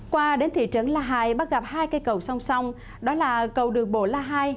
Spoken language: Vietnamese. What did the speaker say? qua đến thị trấn la hai bắt gặp hai cây cầu song song đó là cầu đường bộ la hai